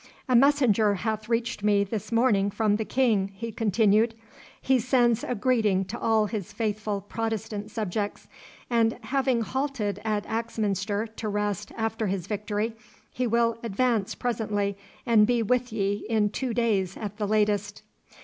'A messenger hath reached me this morning from the King,' he continued. 'He sends a greeting to all his faithful Protestant subjects, and having halted at Axminster to rest after his victory, he will advance presently and be with ye in two days at the latest.